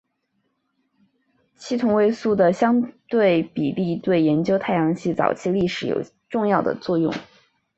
氙同位素的相对比例对研究太阳系早期历史有重要的作用。